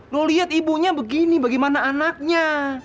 lo lihat ibunya begini bagaimana anaknya